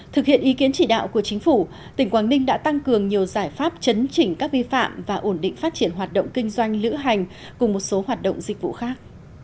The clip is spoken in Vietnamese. thực hiện ý kiến chỉ đạo của chính phủ tỉnh quảng ninh đã tăng cường nhiều giải pháp chấn chỉnh các vi phạm và ổn định phát triển hoạt động kinh doanh lữ hành cùng một số hoạt động dịch vụ khác